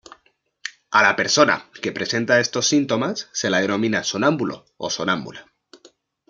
A la persona que presenta estos síntomas se la denomina sonámbulo o sonámbula.